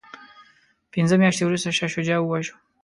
پنځه میاشتې وروسته شاه شجاع وواژه.